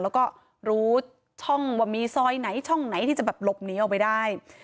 แล้วก็รู้ช่องว่ามีซอยไหนช่องไหนที่จะแบบหลบหนีออกไปได้